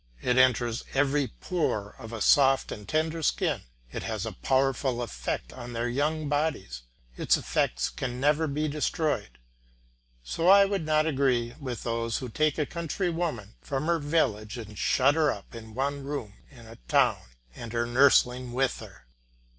It enters every pore of a soft and tender skin, it has a powerful effect on their young bodies. Its effects can never be destroyed. So I should not agree with those who take a country woman from her village and shut her up in one room in a town and her nursling with her.